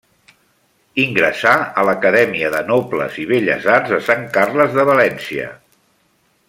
Ingressà a l'Acadèmia de Nobles i Belles Arts de Sant Carles de València.